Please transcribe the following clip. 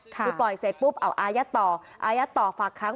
คือปล่อยเสร็จปุ๊บเอาอายัดต่ออายัดต่อฝากค้าง